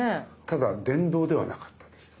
ただ電動ではなかったんですよ。